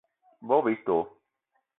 Bogb-ito